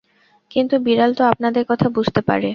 কিন্তু বিড়াল তো আপনাদের কথা বুঝতে পারে।